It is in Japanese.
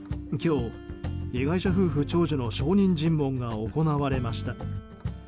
今日、被害者夫婦長女の証人尋問が行われました。